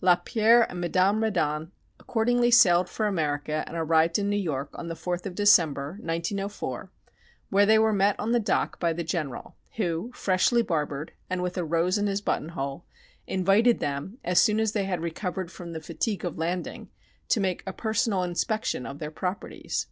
Lapierre and Madame Reddon accordingly sailed for America and arrived in New York on the fourth of December, 1904, where they were met on the dock by the General, who, freshly barbered, and with a rose in his buttonhole, invited them, as soon as they had recovered from the fatigue of landing, to make a personal inspection of their properties.